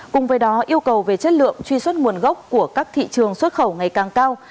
cùng với đó yêu cầu về chất lượng truy xuất nguồn gốc của các thị trường xuất khẩu ngày càng cao